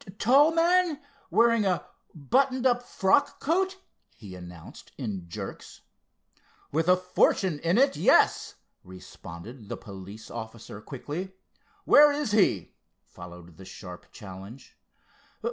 "Tall man, wearing a buttoned up frock coat?" he announced in jerks. "With a fortune in it, yes!" responded the police officer, quickly. "Where is he?" followed the sharp challenge.